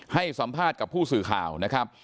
ให้สัมภาษณ์กับผู้สื่อข่าวนะครับ